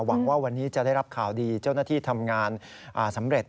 หวังว่าวันนี้จะได้รับข่าวดีเจ้าหน้าที่ทำงานสำเร็จ